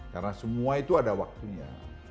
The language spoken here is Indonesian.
karena semua itu ada waktunya